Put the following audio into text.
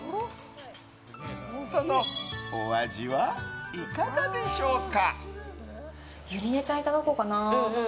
そのお味はいかがでしょうか？